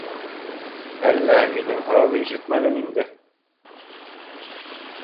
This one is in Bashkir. Әллә минең һорауҙы ишетмәнең инде?